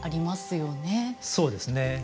そうですね。